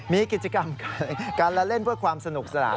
มีกิจกรรมการละเล่นเพื่อความสนุกสนาน